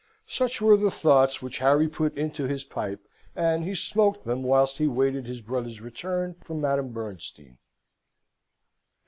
Such were the thoughts which Harry put into his pipe, and he smoked them whilst he waited his brother's return from Madame Bernstein.